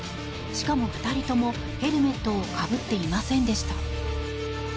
しかも２人とも、ヘルメットをかぶっていませんでした。